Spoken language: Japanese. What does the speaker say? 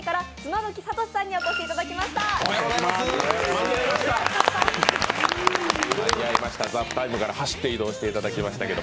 間に合いました、「ＴＨＥＴＩＭＥ，」から走って移動していただきましたけど。